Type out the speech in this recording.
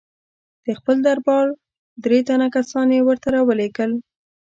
د خپل دربار درې تنه کسان یې ورته را ولېږل.